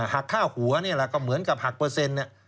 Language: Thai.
หักค่าหัวนี่แหละก็เหมือนกับหักเปอร์เซ็นต์เนี่ย